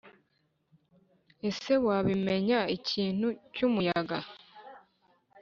ese wabimenya ikintu cyumuyaga